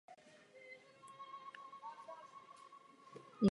Musíme zajistit, aby jednotný trh přinášel spotřebitelům a podnikům výhody.